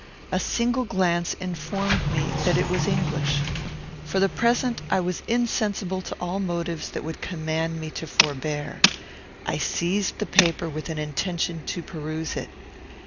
A single glance informed me that it was English. For the present I was insensible to all motives that would command me to forbear. I seized the paper with an intention to peruse it.